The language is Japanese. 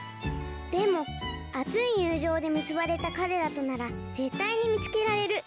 「でもあついゆうじょうでむすばれたかれらとならぜったいにみつけられる。